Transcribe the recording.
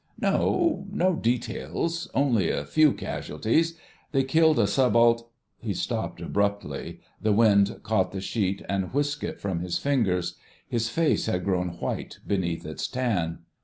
"No—no details; only a few casualties; they killed a Subalt—" he stopped abruptly; the wind caught the sheet and whisked it from his fingers. His face had grown white beneath its tan.